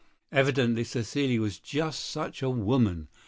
Evidently Cécile was just such a woman.